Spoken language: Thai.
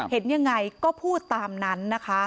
เห็นยังไงก็พูดตามนั้นนะคะ